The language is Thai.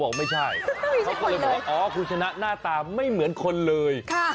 ไม่ใช่เขาก็เลยบอกว่าอ๋อคุณชนะหน้าตาไม่เหมือนคนเลย